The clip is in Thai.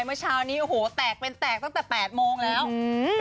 เมื่อเช้านี้โอ้โหแตกเป็นแตกตั้งแต่แปดโมงแล้วอืม